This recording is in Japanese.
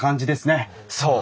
そう！